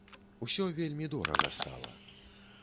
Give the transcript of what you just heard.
Усё вельмі дорага стала.